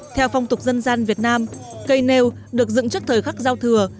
theo phong tục dân gian việt nam cây nêu được dựng trước thời khắc giao thừa